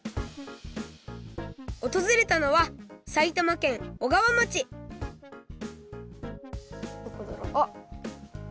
おとずれたのは埼玉県小川町あっ